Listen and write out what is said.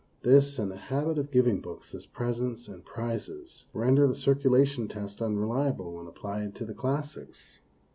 This and the habit of giving books as presents and prizes render the circulation test unreliable when applied to the classics.